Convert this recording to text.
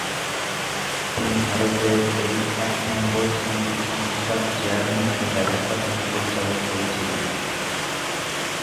তিনি ভারতের এই এক নম্বর সংগীত সংস্থার চেয়ারম্যান ও ব্যবস্থাপনা পরিচালক হয়েছিলেন।